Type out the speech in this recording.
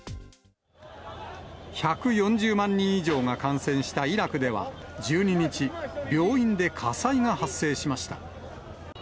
１４０万人以上が感染したイラクでは、１２日、病院で火災が発生しました。